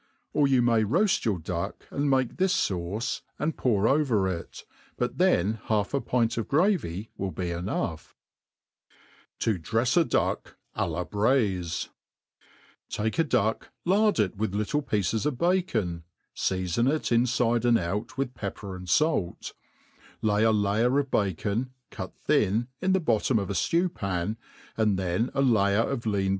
Or you may roaft your duck, and make this (auce, and pour nver it i but then half a pint of gravy will be enough* Tc drefs a Duck a la Braifi* Take a duck, lard it with little pieces of bacon, feafon it infide and out with pepper and fait ; lay a layer of bacon, cut thin,' in the bottom of a ftew pan, and then a layer of lean